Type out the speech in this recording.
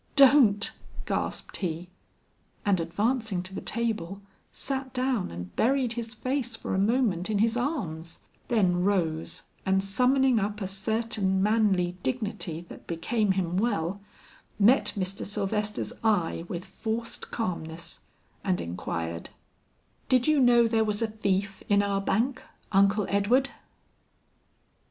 "Don't!" gasped he, and advancing to the table, sat down and buried his face for a moment in his arms, then rose, and summoning up a certain manly dignity that became him well, met Mr. Sylvester's eye with forced calmness, and inquired: "Did you know there was a thief in our bank, Uncle Edward?"